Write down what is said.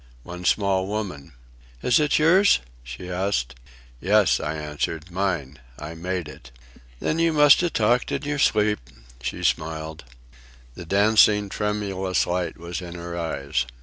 "One small woman." "Is it yours?" she asked. "Yes," I answered. "Mine. I made it." "Then you must have talked in your sleep," she smiled. The dancing, tremulous light was in her eyes.